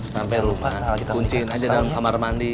sampe lupa kuncin aja dalam kamar mandi